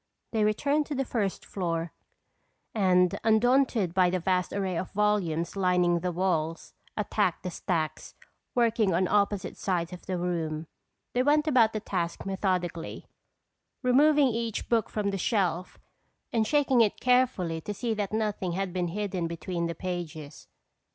They returned to the first floor and undaunted by the vast array of volumes lining the walls, attacked the stacks, working on opposite sides of the room. They went about the task methodically, removing each book from the shelf and shaking it carefully to see that nothing had been hidden between the pages.